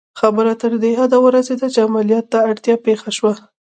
خبره تر دې حده ورسېده چې عملیات ته اړتیا پېښه شوه